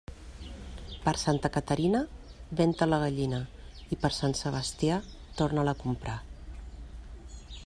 Per Santa Caterina, ven-te la gallina, i per Sant Sebastià torna-la a comprar.